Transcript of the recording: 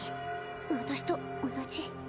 私と同じ？